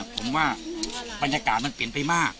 ผมว่าบรรยากาศมันเปลี่ยนไปมาก